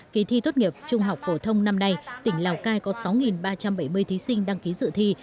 kỳ thi tốt nghiệp trung học phổ thông năm nay tỉnh lào cai có sáu ba trăm bảy mươi thí sinh đăng ký dự thi